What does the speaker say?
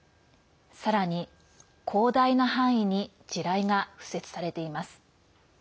さらに広大な範囲に地雷が敷設されています。